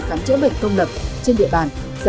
khám chữa bệnh công lập trên địa bàn